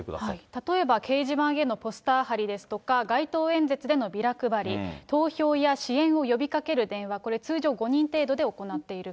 例えば掲示板へのポスター貼りですとか、街頭演説でのビラ配り、投票や支援を呼びかける電話、これ通常５人程度で行っている。